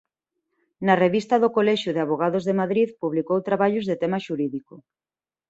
Na Revista do Colexio de Avogados de Madrid publicou traballos de tema xurídico.